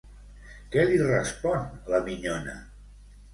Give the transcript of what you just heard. Què li respon la minyona?